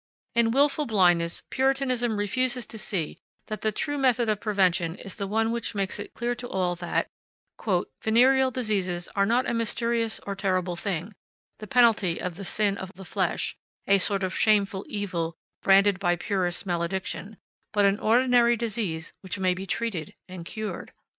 In wilful blindness Puritanism refuses to see that the true method of prevention is the one which makes it clear to all that "venereal diseases are not a mysterious or terrible thing, the penalty of the sin of the flesh, a sort of shameful evil branded by purist malediction, but an ordinary disease which may be treated and cured."